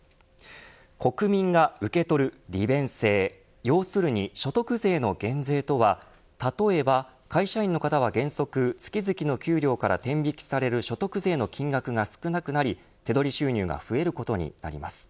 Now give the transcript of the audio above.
国民が受け取る利便性要するに所得税の減税とは例えば会社員の方は原則月々の給料から天引きされる所得税の金額が少なくなり手取り収入が増えることになります。